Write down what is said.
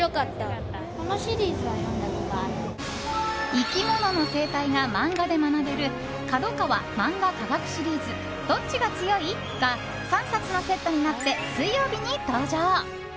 生き物の生態が漫画で学べる「角川まんが科学シリーズ“どっちが強い！？”」が３冊のセットになって水曜日に登場。